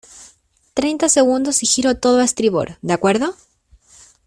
treinta segundos y giro todo a estribor, ¿ de acuerdo?